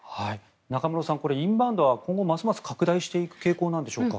中室さん、これインバウンドは今後ますます拡大していく傾向なんでしょうか。